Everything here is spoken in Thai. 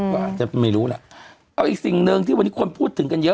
ก็อาจจะไม่รู้แหละเอาอีกสิ่งหนึ่งที่วันนี้คนพูดถึงกันเยอะ